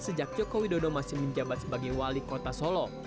sejak joko widodo masih menjabat sebagai wali kota solo